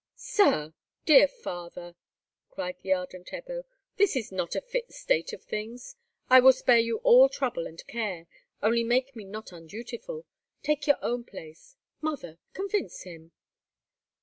"Sir—dear father," cried the ardent Ebbo, "this is not a fit state of things. I will spare you all trouble and care; only make me not undutiful; take your own place. Mother, convince him!"